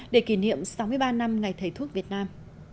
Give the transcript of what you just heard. để kỷ niệm sáu mươi ba năm ngày thầy thuốc việt nam